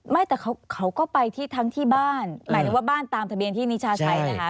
ไม่แต่เขาก็ไปที่ทั้งที่บ้านหมายถึงว่าบ้านตามทะเบียนที่นิชาใช้นะคะ